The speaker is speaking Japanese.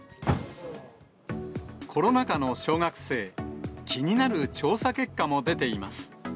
コロナ禍の小学生、気になる調査結果も出ています。